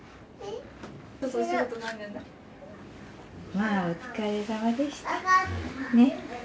まあお疲れさまでした。